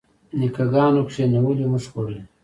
نیکه ګانو کینولي موږ خوړلي.